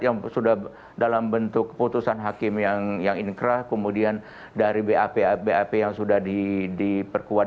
yang sudah dalam bentuk keputusan hakim yang inkrah kemudian dari bap bap yang sudah diperkuat